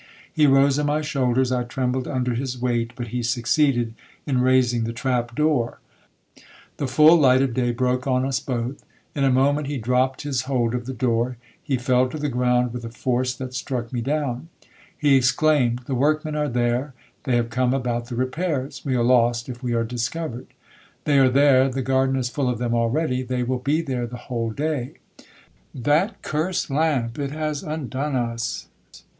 He rose on my shoulders, I trembled under his weight, but he succeeded in raising the trap door,—the full light of day broke on us both. In a moment he dropt his hold of the door,—he fell to the ground with a force that struck me down. He exclaimed, 'The workmen are there, they have come about the repairs, we are lost if we are discovered. They are there, the garden is full of them already, they will be there the whole day. That cursed lamp, it has undone us!